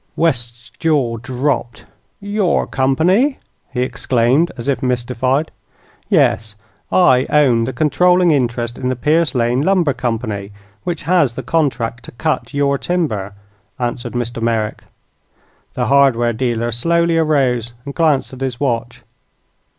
West's jaw dropped. "Your company!" he exclaimed, as if mystified. "Yes; I own the controlling interest in the Pierce Lane Lumber Company, which has the contract to cut your timber," answered Mr. Merrick. The hardware dealer slowly arose and glanced at his watch.